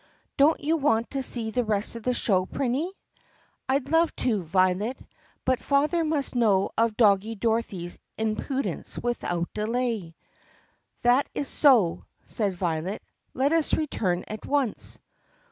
"Don't you want to see the rest of the show, Prinny*?" "I 'd love to, Violet, but father must know of Doggie Dor othy's impudence without delay." "That is so," said Violet. "Let us return at once."